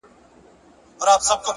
مثبت فکر د اندېښنو زور کموي.!